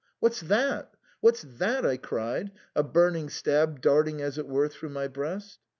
" What's that ? what's that ?" I cried, a burning stab darting as it were through my breast.